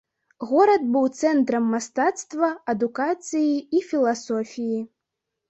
Горад быў цэнтрам мастацтва, адукацыі і філасофіі.